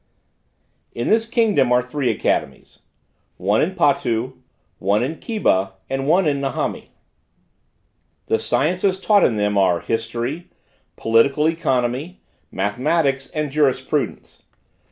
In this kingdom are three academies; one in Potu, one in Keba, and one in Nahami. The sciences taught in them are history, political economy, mathematics, and jurisprudence.